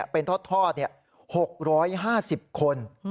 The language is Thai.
เป็นทอดเนี่ย๖๕๐คน